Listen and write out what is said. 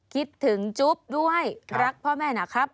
คิดถึงจุ๊บด้วยรักพ่อแม่นะครับ